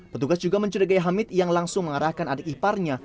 petugas juga mencurigai hamid yang langsung mengarahkan adik iparnya